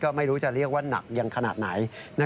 ไม่รู้จะเรียกว่าหนักยังขนาดไหน